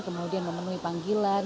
kemudian memenuhi panggilan